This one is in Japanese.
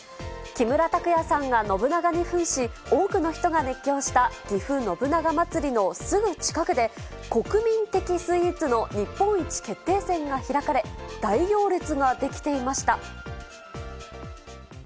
木村拓哉さんが信長にふんし、多くの人が熱狂したぎふ信長まつりのすぐ近くで、国民的スイーツの日本一決定戦が開かれ、大行列が出来ていました。